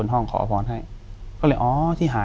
อยู่ที่แม่ศรีวิรัยิลครับ